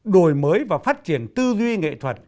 đổi mới và phát triển tư duy nghệ thuật